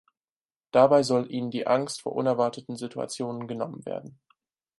Dabei soll ihnen die Angst vor unerwarteten Situationen genommen werden.